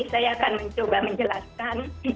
saya akan mencoba menjelaskan